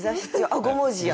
あっ５文字や！